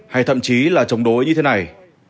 hay thậm chí là chống đối như thế này